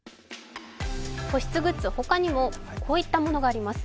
保湿グッズ、他にもこういったものがあります。